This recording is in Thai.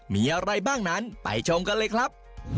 มีอะไรบ้างนั้นไปชมกันเลยครับ